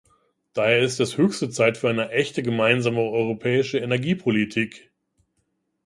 Daher ist es höchste Zeit für eine echte gemeinsame europäische Energiepolitik.